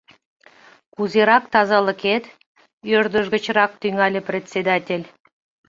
— Кузерак тазалыкет? — ӧрдыж гычрак тӱҥале председатель.